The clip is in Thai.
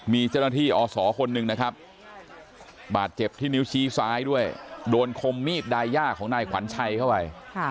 มีเจ้าหน้าที่อศคนหนึ่งนะครับบาดเจ็บที่นิ้วชี้ซ้ายด้วยโดนคมมีดดายย่าของนายขวัญชัยเข้าไป